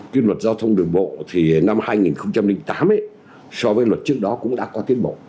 cái luật giao thông đường bộ thì năm hai nghìn tám so với luật trước đó cũng đã có tiến bộ